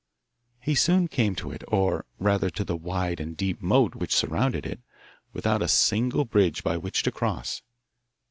He soon came to it, or rather to the wide and deep moat which surrounded it without a single bridge by which to cross.